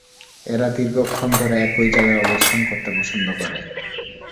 এরা দীর্ঘক্ষণ ধরে একই জায়গায় অবস্থান করতে পছন্দ করে।